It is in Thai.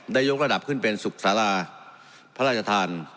ยกระดับขึ้นเป็นสุขศาลาพระราชทาน